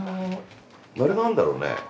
あれ何だろうね？